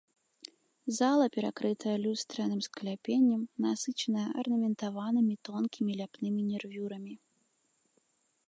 Зала перакрытая люстраным скляпеннем, насычаная арнаментаванымі тонкімі ляпнымі нервюрамі.